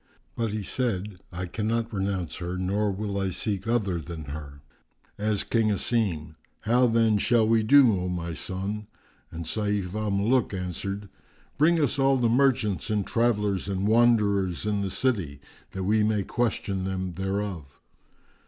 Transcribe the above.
But he said, "I cannot renounce her nor will I seek other than her." Asked King Asim, "How then shall we do, O my son?"; and Sayf al Muluk answered, "Bring us all the merchants and travellers and wanderers in the city, that we may question them thereof.